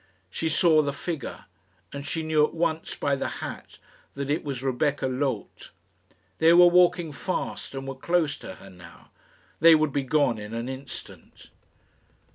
She saw the figure, and she knew at once by the hat that it was Rebecca Loth. They were walking fast, and were close to her now. They would be gone in an instant.